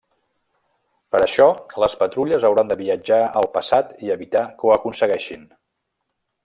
Per a això les Patrulles hauran de viatjar al passat i evitar que ho aconsegueixin.